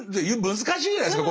難しいじゃないですか